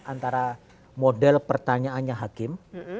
antara model pertanyaannya hakim